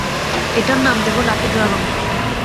এটার নাম দেব লাকি ড্রাগন।